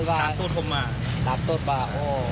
ตามตูดผมมาตามตูดบ้า